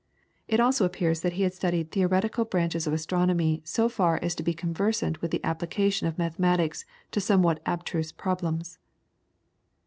It also appears that he had studied theoretical branches of astronomy so far as to be conversant with the application of mathematics to somewhat abstruse problems.